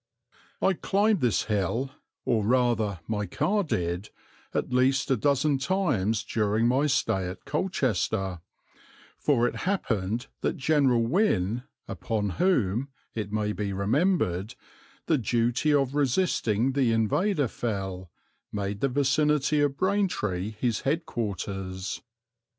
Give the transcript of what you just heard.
I climbed this hill, or rather my car did, at least a dozen times during my stay at Colchester, for it happened that General Wynne, upon whom, it may be remembered, the duty of resisting the invader fell, made the vicinity of Braintree his head quarters.